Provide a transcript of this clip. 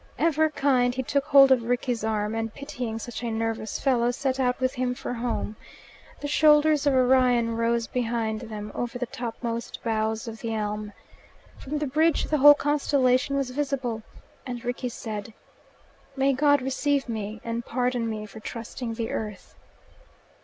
Ever kind, he took hold of Rickie's arm, and, pitying such a nervous fellow, set out with him for home. The shoulders of Orion rose behind them over the topmost boughs of the elm. From the bridge the whole constellation was visible, and Rickie said, "May God receive me and pardon me for trusting the earth."